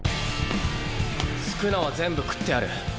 宿儺は全部食ってやる。